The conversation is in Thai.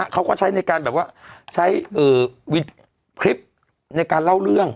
เขาก็ใช้ในการแบบว่าใช้คลิปในการเล่าเรื่อง